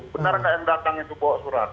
benarkah yang datang itu bawa surat